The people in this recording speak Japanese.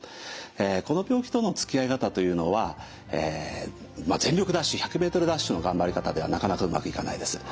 この病気とのつきあい方というのは全力ダッシュ１００メートルダッシュの頑張り方ではなかなかうまくいかないです。